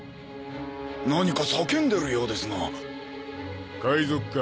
何か叫んでるようですが海賊か？